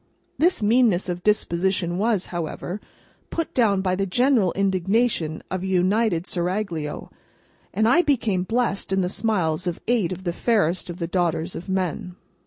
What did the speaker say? This meanness of disposition was, however, put down by the general indignation of an united Seraglio, and I became blessed in the smiles of eight of the fairest of the daughters of men.